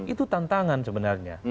itu tantangan sebenarnya